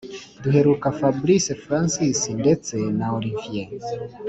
duheruka fabric francis ndetse na olivier